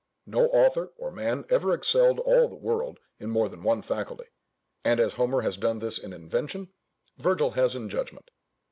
No author or man ever excelled all the world in more than one faculty; and as Homer has done this in invention, Virgil has in judgment.